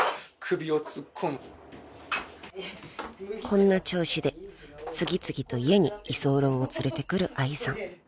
［こんな調子で次々と家に居候を連れてくる愛さん］